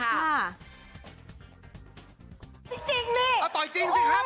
เอาต่อจริงสิครับ